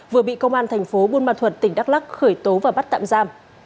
vừa bị công an thành phố buôn ma thuật tỉnh đắk lắc khởi tố và bắt tạm giam